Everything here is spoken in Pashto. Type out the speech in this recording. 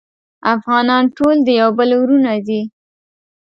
افغانان ټول د یو بل وروڼه دی